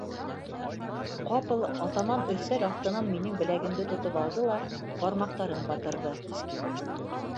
Ҡапыл атаман өҫтәл аҫтынан минең беләгемде тотоп алды ла бармаҡтарын батырҙы.